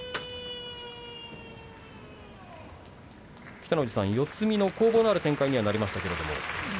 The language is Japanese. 北の富士さん、四つ身の攻防のある展開になりましたね。